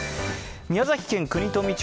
宮崎県国富町